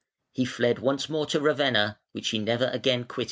He fled once more to Ravenna, which he never again quitted.